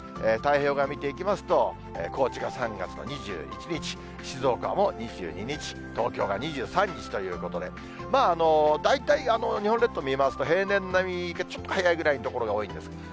太平洋側見ていきますと、高知が３月の２１日、静岡も２２日、東京が２３日ということで、大体、日本列島見回すと平年並みか、ちょっと早いぐらいの所が多いんです。